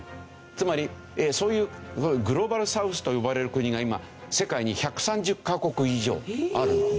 つまりそういうグローバルサウスと呼ばれる国が今世界に１３０カ国以上あるんですよ。